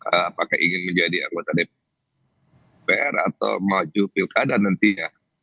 apakah ingin menjadi anggota dpr atau maju pilkada nantinya